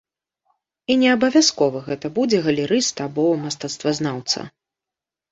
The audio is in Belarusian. І неабавязкова гэта будзе галерыст або мастацтвазнаўца.